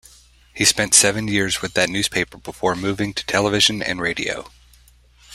He spent seven years with that newspaper before moving to television and radio.